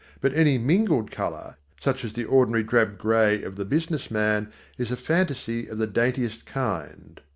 But any mingled colour, such as the ordinary drab grey of the business man is a fantaisie of the daintiest kind.